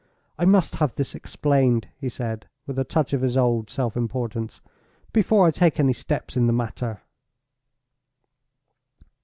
"I must have this explained," he said, with a touch of his old self importance, "before I take any steps in the matter."